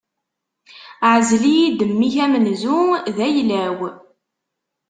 Ɛzel-iyi-d mmi-k amenzu, d ayla-w.